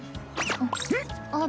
あっ。